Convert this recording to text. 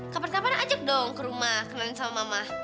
kapan kapan ajak dong ke rumah kenalin sama mama